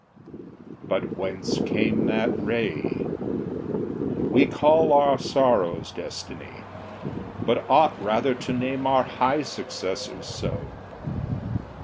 But whence came that ray? We call our sorrows Destiny, but ought Rather to name our high successes so.